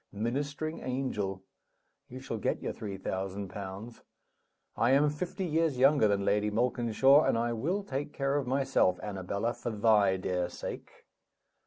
Ministering angel! you shall get your three thousand pounds. I am fifty years younger than Lady Malkinshaw, and I will take care of myself, Annabella, for thy dear sake!